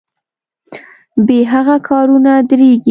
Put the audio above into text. بې هغه کارونه دریږي.